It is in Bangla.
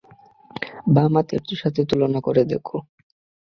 বাম হাতের সাথে তুলনা করে দেখো।